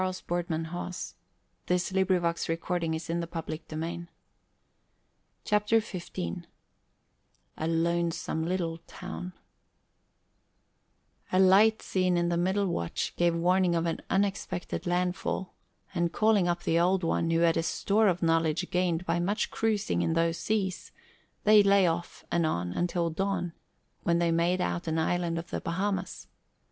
The Old One stretched and yawned and Harry Malcolm softly laughed. CHAPTER XV A LONESOME LITTLE TOWN A light seen in the middle watch gave warning of an unexpected landfall, and calling up the Old One, who had a store of knowledge gained by much cruising in those seas, they lay off and on until dawn, when they made out an island of the Bahamas.